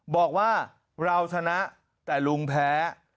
บอกว่าเราชนะแต่ลุงแพ้